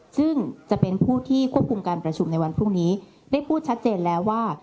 ซึ่งจะเป็นผู้ที่ควบคุมการประชุมในวันพรุ่งนี้ได้พูดชัดเจนแล้วว่า